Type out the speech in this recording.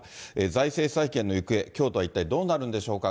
財政再建の行方、京都は一体どうなるんでしょうか。